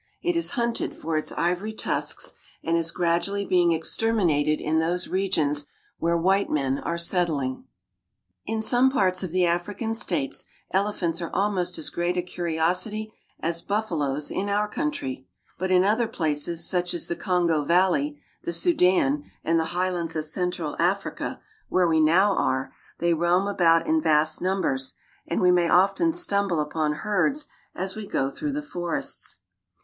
It is hunted for its ivory tusks, and is gradually being exterminated in those regions where white men are settling. In some parts of the African States, elephants are al most as great a curiosity as buffaloes in our country ; but in other places, such as the Kongo valley, the Sudan, and the highlands of central Africa, where we now are, they roam about in vast numbers, and we may often stumble upon herds as we go through the forests.